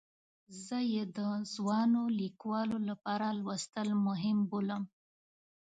زه یې د ځوانو لیکوالو لپاره لوستل مهم بولم.